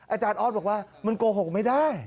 อาจารย์ออสบอกว่ามันโกหกไม่ได้